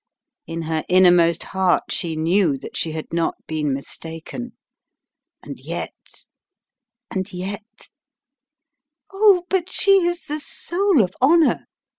In her innermost heart she knew that she had not been mistaken. And yet, and yet "Oh, but she is the soul of honour!"